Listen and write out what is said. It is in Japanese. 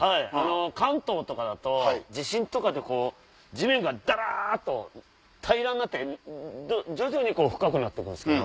あの関東とかだと地震とかでこう地面がだらっと平らになって徐々にこう深くなってくんですけど。